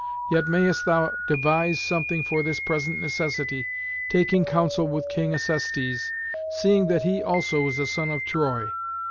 Yet mayest thou devise something for this present necessity, taking counsel with King Acestes, seeing that he also is a son of Troy.